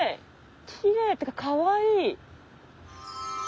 きれいっていうかかわいい！